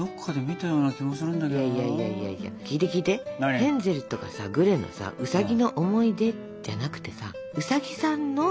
ヘンゼルとかさグレのさウサギの思い出じゃなくてさ「ウサギさんの」